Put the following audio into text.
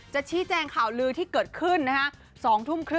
จะชี้แจงข่าวลือที่เกิดขึ้นนะคะ